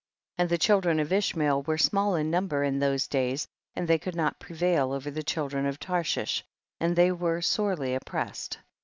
2. And the children of Ishmael were small in number in those days, and they could not prevail over the children of Tarshish, and they were sorely oppressed.